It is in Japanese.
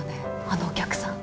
あのお客さん。